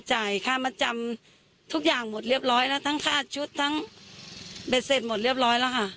จ่ายค่ามาจำทุกอย่างหมดเรียบร้อยแล้วทั้งค่าชุดทั้งเบ็ดเสร็จหมดเรียบร้อยแล้วค่ะ